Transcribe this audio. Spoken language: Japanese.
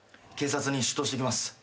警察に出頭してきます。